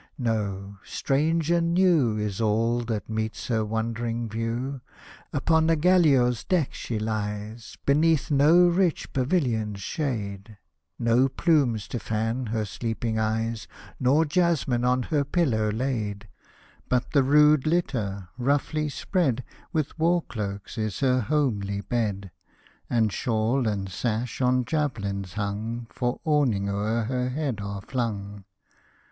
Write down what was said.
— no — strange and new Is all that meets her wondering view. Upon a galliot's deck she lies, Beneath no rich pavilion's shade, — Hosted by Google THE FIRE WORSHIPPERS 145 No plumes to fan her sleeping eyes, Nor jasmine on her pillow laid. But the rude litter, roughly spread With war cloaks, is her homely bed, And shawl and sash, on javelins hung, For awning o'er her head are flung.